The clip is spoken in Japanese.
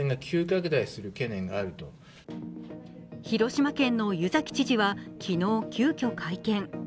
広島県の湯崎知事は昨日、急きょ会見。